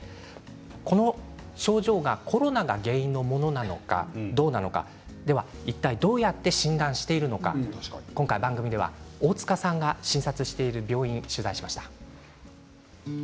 この症状がコロナが原因のものなのか、どうなのかいったいどうやって診断しているのか、今回番組では大塚さんが診察している病院を取材しました。